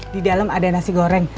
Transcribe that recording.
di dalam ada nasi goreng